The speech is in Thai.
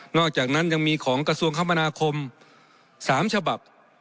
อกจากนั้นยังมีของกระทรวงคมนาคม๓ฉบับ